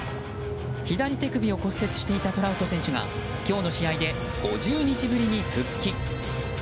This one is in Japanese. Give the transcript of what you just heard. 左手首を骨折していたトラウト選手が今日の試合で５０日ぶりに復帰。